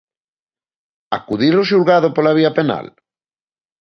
Acudir ao xulgado pola vía penal?